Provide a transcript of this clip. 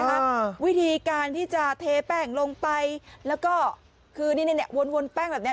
อ่าวิธีการที่จะเทแป้งลงไปแล้วก็คือนี่เนี้ยเนี้ยวนวนแป้งแบบเนี้ย